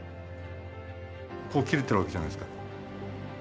こう切れてるわけじゃないですか。